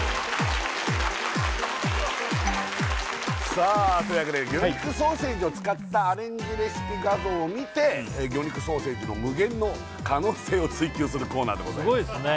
さあというわけで魚肉ソーセージを使ったアレンジレシピ画像を見て魚肉ソーセージの無限の可能性を追求するコーナーでございますすごいですね